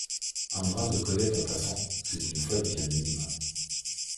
Un brin de causette en passant, C’est une faute bien minime.